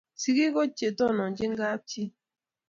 singik ko chendochin kab chi